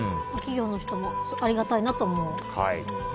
企業の人もありがたいなと思う。